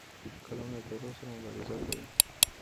قلم له تیارو سره مبارزه کوي